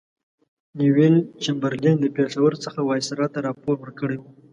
نیویل چمبرلین له پېښور څخه وایسرا ته راپور ورکړی وو.